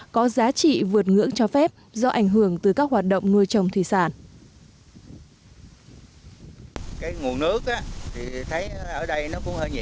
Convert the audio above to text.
có giá trị vượt ngưỡng cho phép do ảnh hưởng từ các hoạt động nuôi trồng thủy sản